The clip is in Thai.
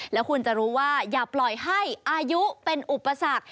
แล้วคุณจะรู้ว่าอย่าปล่อยให้อายุเป็นอุปสรรค